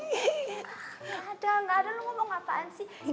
gak ada gak ada lu ngomong apaan sih